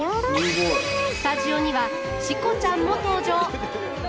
スタジオにはチコちゃんも登場！